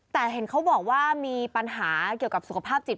แต่เห็นเขาบอกว่ามีปัญหาเกี่ยวกับสุขภาพจิต